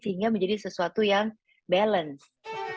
sehingga menjadi sesuatu yang balance